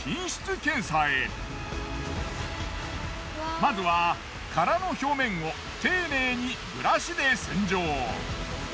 まずは殻の表面を丁寧にブラシで洗浄。